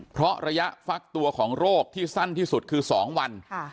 เพราะระยะฟักตัวของโรคที่สั้นที่สุดคือ๒วัน